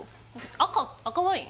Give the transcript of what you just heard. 赤赤ワイン？